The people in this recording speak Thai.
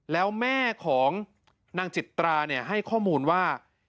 แล้วแม่ของนางจิตราให้ข้อมูลว่า